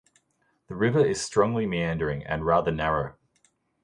The river is strongly meandering and rather narrow.